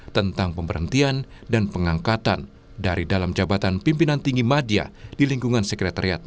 tentang pemberhentian dan pengangkatan dari dalam jabatan pimpinan tinggi media di lingkungan sekretariat kpk